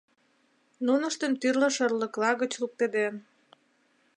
Нуныштым тӱрлӧ шӧрлыкла гыч луктеден.